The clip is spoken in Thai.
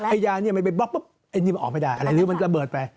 ไอ้ยามันไปป๊บออกไปได้หรือมันระเบิดไป